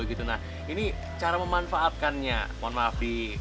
ini cara memanfaatkannya mohon maaf diketahui